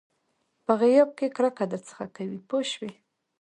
په غیاب کې کرکه درڅخه کوي پوه شوې!.